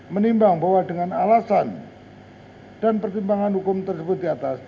menimbang bahwa dengan alasan dan pertimbangan hukum tersebut diatas